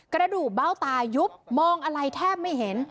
กระดูกเบ้าตายุบมองอะไรแทบไม่เห็น